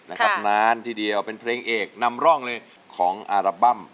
นานทีเดียวเป็นเพลงเอกนำร่องเลยของอาราบั้ม